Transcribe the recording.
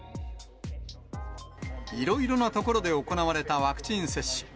いろいろな所で行われたワクチン接種。